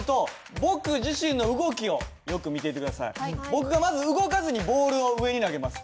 僕がまず動かずにボールを上に投げます。